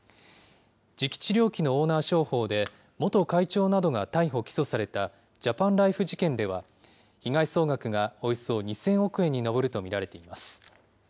磁気治療器のオーナー商法で、元会長などが逮捕・起訴されたジャパンライフ事件では、被害総額がおよそ２０００億円に上ると見られています。